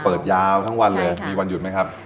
เปิดยาวทั้งวันเลยมีวันหยุดไหมครับ